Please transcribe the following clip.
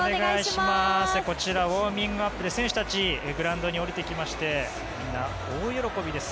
こちらウォーミングアップで選手たち、グラウンドに降りてきてみんな大喜びです。